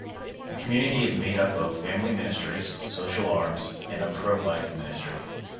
The community is made up of family ministries, social arms, and a pro-life ministry.